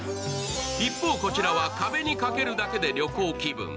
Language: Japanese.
一方こちらは壁にかけるだけで旅行気分。